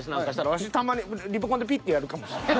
ワシたまにリモコンでピッてやるかもしれん。